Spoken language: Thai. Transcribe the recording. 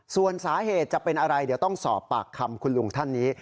ส่วนสาเหตุจะเป็นอะไรเดี๋ยวต้องสอบปากคำคุณลุงท่านนี้